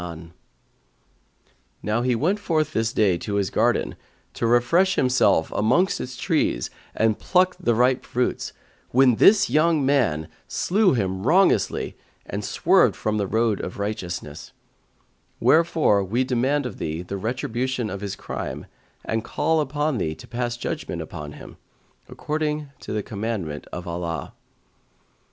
'[FN#145] Now he went forth this day to his garden, to refresh himself amongst its trees and pluck the ripe fruits, when this young man slew him wrongously and swerved from the road of righteousness; wherefore we demand of thee the retribution of his crime and call upon thee to pass judgement upon him, according to the commandment of Allah."